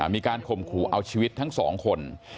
มีการข่มขู่เอาชีวิตทั้งสองคน